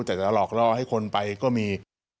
แต่จะหลอกล่อให้คนไปก็มี